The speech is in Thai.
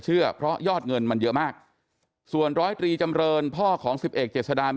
เชื่อเพราะยอดเงินมันเยอะมากส่วน๑๐๓จำเริงข้อของ๑๑เจษดา